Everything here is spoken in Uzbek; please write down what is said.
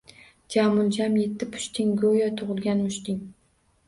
Jamuljam yetti pushting, goʼyo tugilgan mushting